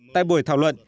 tại buổi thảo luận